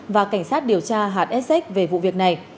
và cảnh sát điều tra hat sx về vụ việc này